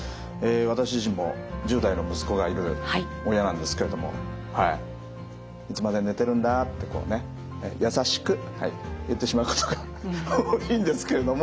私自身も１０代の息子がいる親なんですけれどもはいいつまで寝てるんだってこうね優しく言ってしまうことが多いんですけれども。